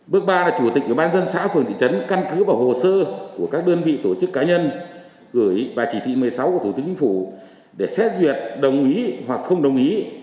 bước ba là chủ tịch ủy ban dân xã phường thị trấn căn cứ vào hồ sơ của các đơn vị tổ chức cá nhân gửi và chỉ thị một mươi sáu của thủ tướng chính phủ để xét duyệt đồng ý hoặc không đồng ý